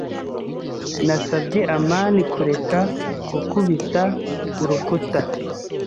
Nasabye amani kureka gukubita urukuta.